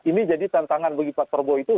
ini jadi tantangan bagi pak prabowo itu